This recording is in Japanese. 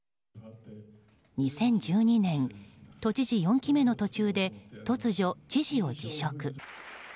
２０１２年、都知事４期目の途中で突如、知事を辞職。